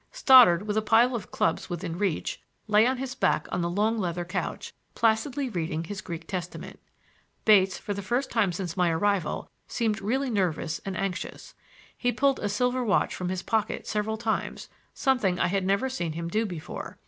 Stoddard, with a pile of clubs within reach, lay on his back on the long leather couch, placidly reading his Greek testament. Bates, for the first time since my arrival, seemed really nervous and anxious. He pulled a silver watch from his pocket several times, something I had never seen him do before.